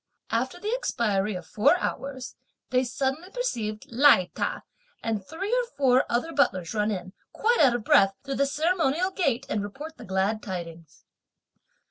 After the expiry of four hours, they suddenly perceived Lai Ta and three or four other butlers run in, quite out of breath, through the ceremonial gate and report the glad tidings.